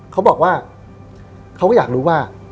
เขาก็อยากรู้ว่า